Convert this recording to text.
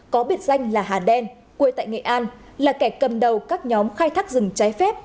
có biệt danh là hà đen quê tại nghệ an là kẻ cầm đầu các nhóm khai thác rừng trái phép